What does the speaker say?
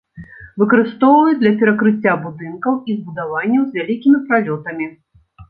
Выкарыстоўваюць для перакрыцця будынкаў і збудаванняў з вялікімі пралётамі.